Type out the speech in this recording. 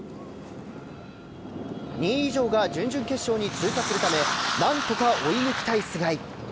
２位以上が準々決勝に通過するため何とか追い抜きたい須貝。